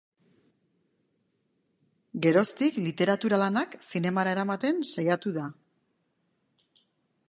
Geroztik, literatura-lanak zinemara eramaten saiatu da.